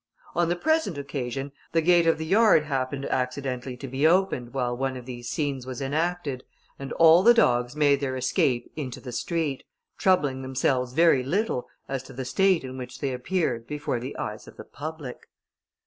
On the present occasion, the gate of the yard happened accidentally to be opened, while one of these scenes was enacted, and all the dogs made their escape into the street, troubling themselves very little as to the state in which they appeared before the eyes of the public.